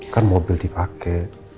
kan mobil dipake